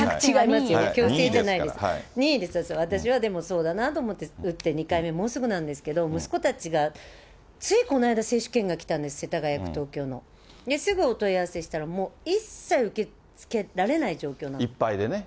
そうそう、それで私はそうだなと思って打って、２回目もうすぐなんですけれども、息子たちがついこの間、接種券が来たんです、世田谷区、東京の。すぐお問い合わせしたら、もう一切受け付けられない状況なんです。